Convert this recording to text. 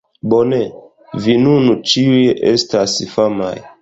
Bone, vi nun ĉiuj estas famaj